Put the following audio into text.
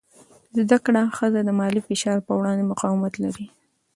زده کړه ښځه د مالي فشار په وړاندې مقاومت لري.